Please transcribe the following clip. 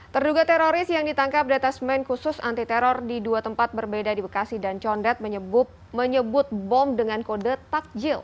terduga teroris yang ditangkap di atasmen khusus anti teror di dua tempat berbeda di bekasi dan condet menyebut bom dengan kode takjil